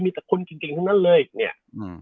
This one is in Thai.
มีแต่คนเก่งทั้งนั้นเลยเนี่ย